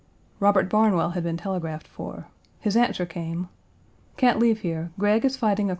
Robert Barnwell had been telegraphed for. His answer came, "Can't leave here; Gregg is fighting across the 1.